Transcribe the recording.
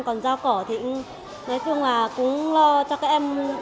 còn rau cỏ thì cũng lo cho các em